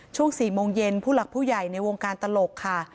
ช่วง๔โมงเย็นผู้หลักผู้ใหญ่ในวงการตลกค่ะ